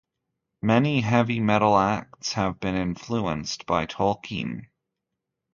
Many heavy metal acts have been influenced by Tolkien.